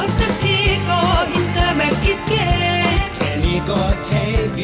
สวัสดีครับ